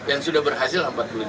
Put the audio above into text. yang sudah berhasil empat puluh tiga